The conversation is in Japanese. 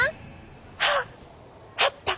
はっ！あった。